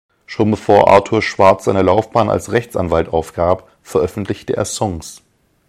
Schon bevor Arthur Schwartz seine Laufbahn als Rechtsanwalt aufgab, veröffentlichte er Songs.